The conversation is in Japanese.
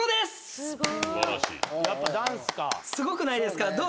すごくないですか？